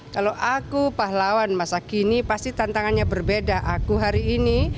kalau aku pahlawan masa kini pasti tantangannya berbeda aku hari ini